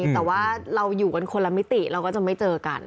แต่ว่าเราอยู่กันคนละมิติเราก็จะไม่เจอกัน